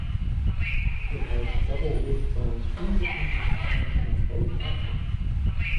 It has double-wishbone independent suspension on both axles.